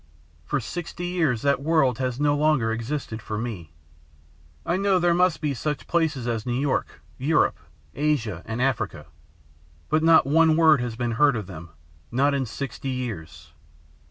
For sixty years that world has no longer existed for me. I know there must be such places as New York, Europe, Asia, and Africa; but not one word has been heard of them not in sixty years.